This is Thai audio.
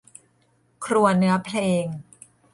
ครัวเนื้อเพลง